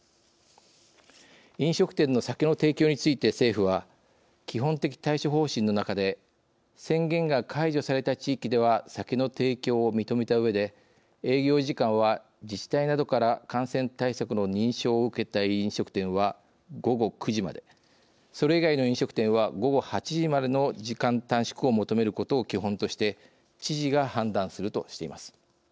飲食店の酒の提供について政府は、基本的対処方針の中で宣言が解除された地域では酒の提供を認めたうえで営業時間は、自治体などから感染対策の認証を受けた飲食店は午後９時までそれ以外の飲食店は午後８時までの時間短縮を求めることを基本として知事が判断するとしています。